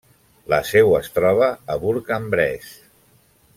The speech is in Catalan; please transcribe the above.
La seu es troba a Bourg-en-Bresse.